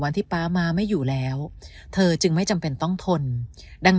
ที่ป๊ามาไม่อยู่แล้วเธอจึงไม่จำเป็นต้องทนดัง